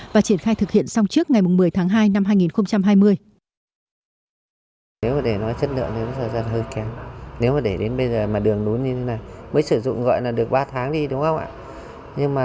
và triển khai thực hiện xong trước ngày một mươi tháng hai năm hai nghìn hai mươi